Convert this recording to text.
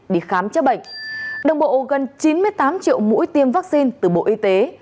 đồng bộ gần chín mươi tám triệu mũi tiêm vaccine từ bộ y tế